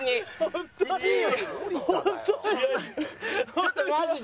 ちょっとマジで。